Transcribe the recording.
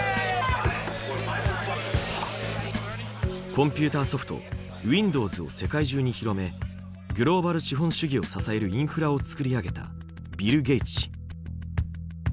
コンピューターソフト「ウィンドウズ」を世界中に広めグローバル資本主義を支えるインフラを作り上げたビル・ゲイツ氏。